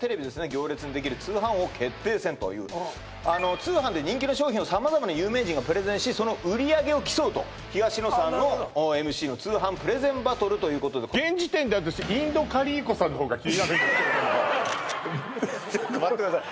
「行列のできる通販王決定戦」という通販で人気の商品を様々な有名人がプレゼンしその売り上げを競うと東野さんのＭＣの通販プレゼンバトルということで現時点で私ちょっと待ってください